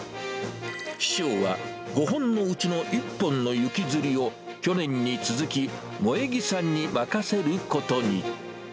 師匠は、５本のうちの１本の雪吊りを、去年に続き、萌木さんに任せることに。